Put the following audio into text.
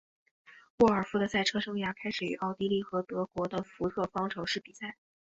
沃尔夫的赛车生涯开始于奥地利和德国的福特方程式比赛。